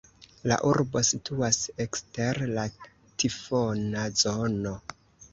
La urbo situas ekster la tifona zono.